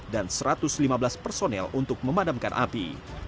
dan satu ratus lima belas personel untuk memadamkan api